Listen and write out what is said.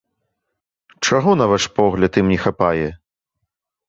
Чаго, на ваш погляд, ім не хапае?